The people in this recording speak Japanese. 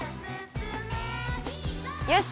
よし！